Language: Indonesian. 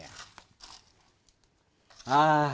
jadi kita harus mencari asapnya